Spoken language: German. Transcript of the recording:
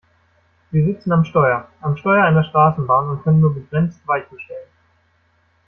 Sie sitzen am Steuer - am Steuer einer Straßenbahn und können nur begrenzt Weichen stellen.